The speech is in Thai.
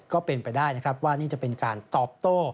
ก็เป็นไปได้นะครับว่านี่จะเป็นการตอบโต้